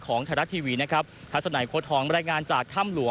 ของไทยรัฐทีวีนะครับ